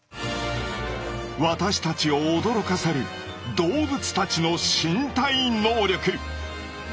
私たちを驚かせる動物たちの身体能力。